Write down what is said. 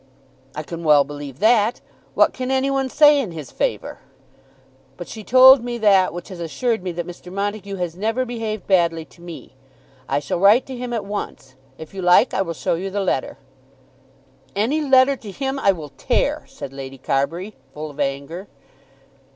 "I can well believe that. What can any one say in his favour?" "But she told me that which has assured me that Mr. Montague has never behaved badly to me. I shall write to him at once. If you like I will show you the letter." "Any letter to him, I will tear," said Lady Carbury, full of anger.